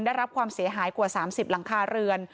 ได้รับความเสียหายกว่า๓๐หลังคาเรือน